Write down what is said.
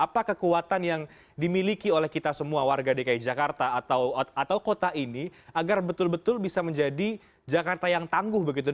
apa kekuatan yang dimiliki oleh kita semua warga dki jakarta atau kota ini agar betul betul bisa menjadi jakarta yang tangguh begitu